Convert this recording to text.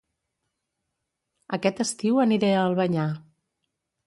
Aquest estiu aniré a Albanyà